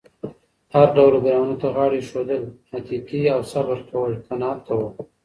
هر ډول ګرانو ته غاړه اېښودل، اتیتې او صبر کول، قناعت کول